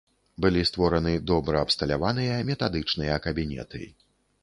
Былі створаны добра абсталяваныя метадычныя кабінеты.